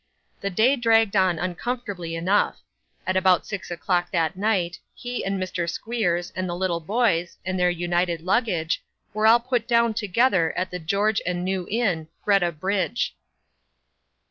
The day dragged on uncomfortably enough. At about six o'clock that night, he and Mr. Squeers, and the little boys, and their united luggage, were all put down together at the George and New Inn, Greta Bridge.